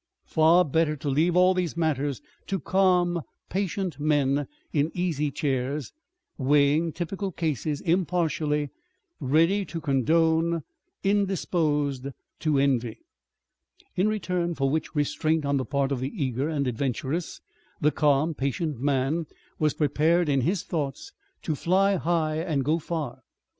Far better to leave all these matters to calm, patient men in easy chairs, weighing typical cases impartially, ready to condone, indisposed to envy. In return for which restraint on the part of the eager and adventurous, the calm patient man was prepared in his thoughts to fly high and go far.